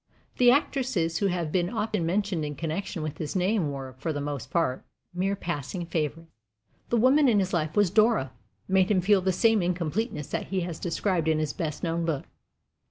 The actresses who have been often mentioned in connection with his name were, for the most part, mere passing favorites. The woman who in life was Dora made him feel the same incompleteness that he has described in his best known book.